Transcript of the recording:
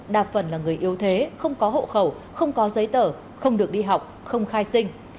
đa phần là người yếu thế không có hộ khẩu không có giấy tờ không được đi học không khai sinh